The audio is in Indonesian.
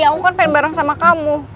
aku kan pengen bareng sama kamu